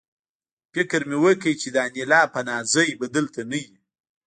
فکر مې وکړ چې د انیلا پناه ځای به دلته نه وي